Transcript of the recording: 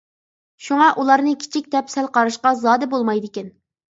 شۇڭا ئۇلارنى كىچىك دەپ سەل قاراشقا زادى بولمايدىكەن.